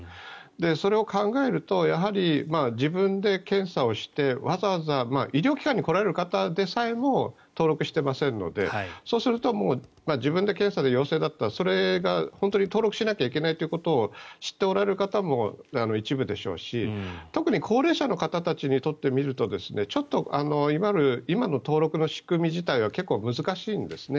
それを考えると自分で検査をして、わざわざ医療機関に来られる方でさえも登録してませんのでそうすると自分で検査で陽性だったらそれが本当に登録しなきゃいけないということを知っておられる方も一部でしょうし特に高齢者の方たちにとってみるとちょっと今の登録の仕組み自体が結構難しいんですね。